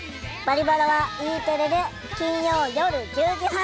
「バリバラ」はＥテレで金曜夜１０時半。